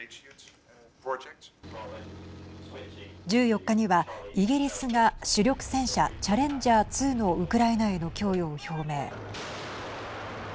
１４日にはイギリスが主力戦車チャレンジャー２のウクライナへの供与を表明。